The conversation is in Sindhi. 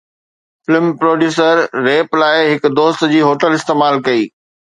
فلم پروڊيوسر ريپ لاءِ هڪ دوست جي هوٽل استعمال ڪئي